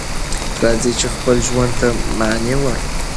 راځئ چې خپل ژوند ته معنی ورکړو.